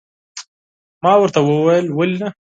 ما ورته وویل، ولې نه.